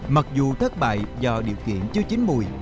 mặc dù thất bại do điều kiện chưa chín mùi